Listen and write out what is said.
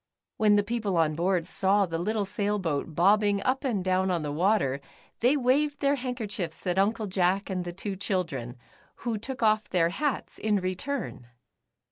When the peo ple on board saw the little sail boat bobbing up and down on the water, they waved their handker chiefs at Uncle Jack and the two children, who took off their hats in return.